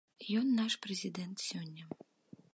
Ён наш прэзідэнт сёння.